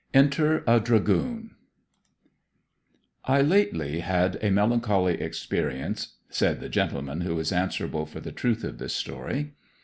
ENTER A DRAGOON I lately had a melancholy experience (said the gentleman who is answerable for the truth of this story).